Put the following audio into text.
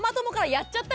「やっちゃった！」